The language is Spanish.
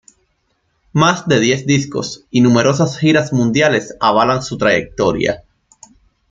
Más de diez discos y numerosas giras mundiales avalan su trayectoria.